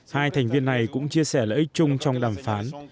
hai thành viên này cũng chia sẻ lợi ích chung trong đàm phán